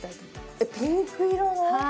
えっピンク色の？